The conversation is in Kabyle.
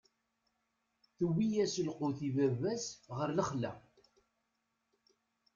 Tewwi-yas lqut i baba-s ɣer lexla.